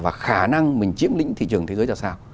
và khả năng mình chiếm lĩnh thị trường thế giới ra sao